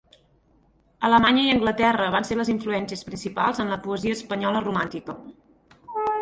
Alemanya i Anglaterra van ser les influències principals en la poesia espanyola romàntica.